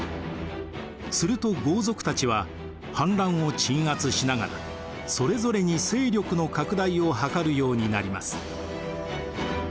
すると豪族たちは反乱を鎮圧しながらそれぞれに勢力の拡大を図るようになります。